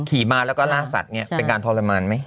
ขี่ม้าแล้วก็ลากสัตว์เป็นการทรมานไหม